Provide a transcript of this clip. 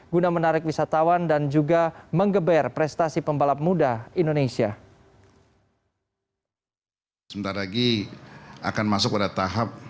guna menarik wisatawan dan juga mengeber prestasi pembalap muda indonesia